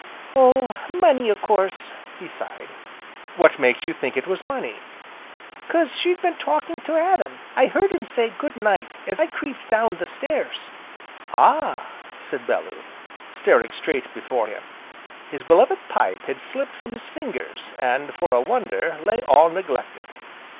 "Oh! money, a course!" he sighed. "What makes you think it was money?" "'Cause she'd been talking to Adam, I heard him say 'Good night,' as I creeped down the stairs, " "Ah?" said Bellew, staring straight before him. His beloved pipe had slipped from his fingers, and, for a wonder, lay all neglected.